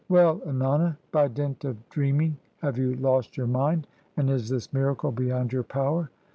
"Well, Ennana! by dint of dreaming have you lost your mind? And is this miracle beyond your power?"